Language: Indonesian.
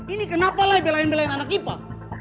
ini kenapa belain belain anak ipa